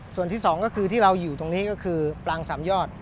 ส่วนที่สองก็คือที่เราอยู่ตรงนี้ก็คือปรางสามยอด